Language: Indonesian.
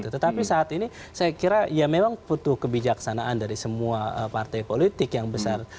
tetapi saat ini saya kira ya memang butuh kebijaksanaan dari semua partai politik yang besar